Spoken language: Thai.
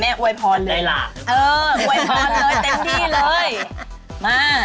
อวยพรเลยล่ะเอออวยพรเลยเต็มที่เลยมา